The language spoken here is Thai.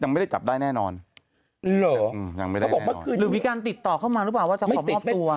ยังไม่ได้แน่นอนยังไม่ได้แน่นอนหรือวิการติดต่อเข้ามาหรือเปล่าว่าจะขอมอบตัว